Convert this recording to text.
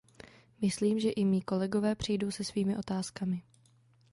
Myslím, že i mí kolegové přijdou se svými otázkami.